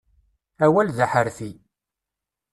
Awal d aḥerfi.